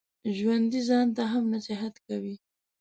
ژوندي ځان ته هم نصیحت کوي